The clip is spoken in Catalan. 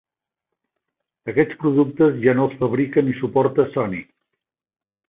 Aquests productes ja no els fabrica ni suporta Sony.